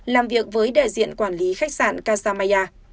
làm việc với đại diện quản lý khách sạn casamaya